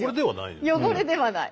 汚れではない。